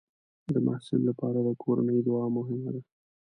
د محصل لپاره د کورنۍ دعا مهمه ده.